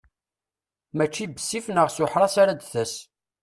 Mačči bessif neɣ s uḥras ara d-tas.